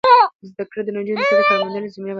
زده کړه نجونو ته د کار موندلو زمینه برابروي.